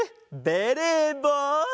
ベレーぼう。